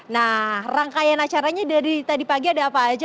nah rangkaian acaranya dari tadi pagi ada apa aja